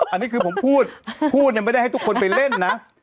อันนี้คือผมพูดพูดไม่ได้ให้ทุกคนไปเล่นนะ